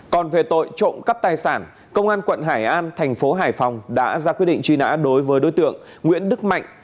còn về tội trộm cắp tài sản công an quận hải an thành phố hải phòng đã ra quyết định truy nã đối với đối tượng nguyễn đức mạnh